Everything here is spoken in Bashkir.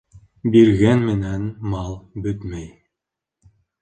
Биргән менән мал бөтмәй.